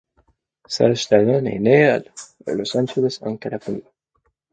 Sage Stallone est né à Los Angeles en Californie.